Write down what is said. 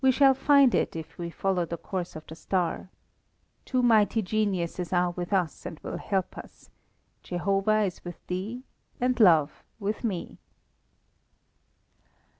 We shall find it if we follow the course of the star. Two mighty geniuses are with us and will help us: Jehovah is with thee and Love with me!"